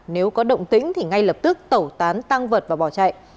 nếu có động tĩnh thì ngay lập tức tẩu tán tăng vật và bỏ chạy